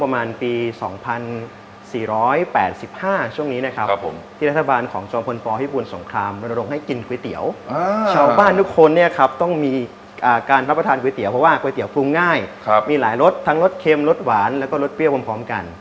เพราะว่าก๋วยเตี๋ยวฟรุงง่ายมีหลายรสทั้งรสเค็มรสหวานแล้วก็รสเปรี้ยวพร้อมกัน